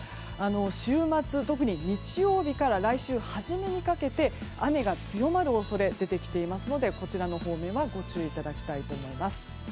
週末、特に日曜日から来週初めにかけて雨が強まる恐れが出てきていますのでこちらの方面はご注意いただきたいと思います。